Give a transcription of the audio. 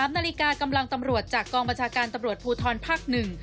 นาฬิกากำลังตำรวจจากกองบัญชาการตำรวจภูทรภาค๑